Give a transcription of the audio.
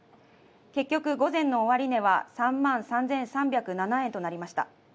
結局午前の終値は３万３３０７円となりました。